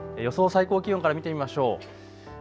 最高気温から見てみましょう。